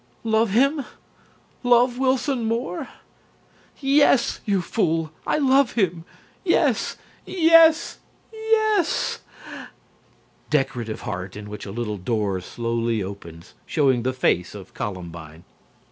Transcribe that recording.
"LOVE HIM! LOVE WILSON MOORE? YES, YOU FOOL! I LOVE HIM! YES! YES! YES!" (Decorative heart, in which a little door slowly opens, showing the face of Columbine.)